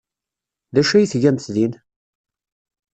D acu ay tgamt din?